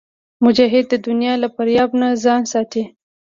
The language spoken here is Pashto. مجاهد د دنیا له فریب نه ځان ساتي.